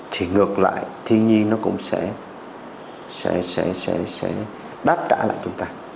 thì ngược lại thiên nhiên nó cũng sẽ đáp trả lại chúng ta